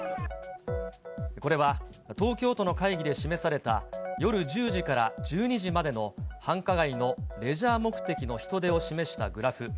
これは東京都の会議で示された、夜１０時から１２時までの繁華街のレジャー目的の人出を示したグラフ。